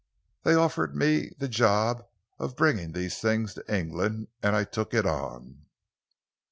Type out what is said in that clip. They offered me the job of bringing these things to England, and I took it on."